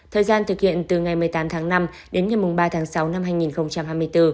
thời gian thực hiện từ ngày một mươi tám tháng năm đến ngày ba tháng sáu năm hai nghìn hai mươi bốn